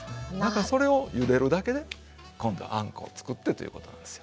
それをゆでるだけで今度はあんこを作ってということなんですよ。